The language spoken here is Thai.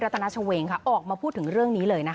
รัตนาชวงศ์ออกมาพูดถึงเรื่องนี้เลย